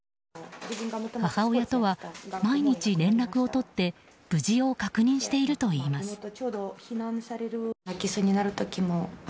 母親とは毎日連絡を取って無事を確認しているといいます。